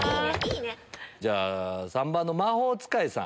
じゃあ３番の魔法使いさん。